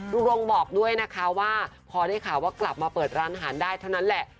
รงบอกด้วยนะคะว่าพอได้ข่าวว่ากลับมาเปิดร้านอาหารได้เท่านั้นแหละ